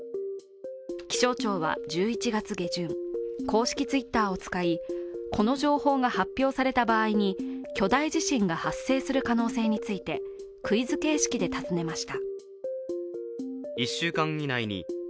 気象庁は１１月下旬、公式Ｔｗｉｔｔｅｒを使い、この情報が発表された場合に巨大地震が発生する可能性について、クイズ形式で尋ねました。